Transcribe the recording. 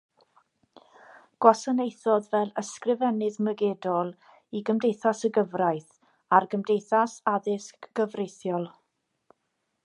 Gwasanaethodd fel ysgrifennydd mygedol i Gymdeithas y Gyfraith a'r Gymdeithas Addysg Gyfreithiol.